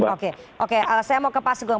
oke oke saya mau ke pak sugeng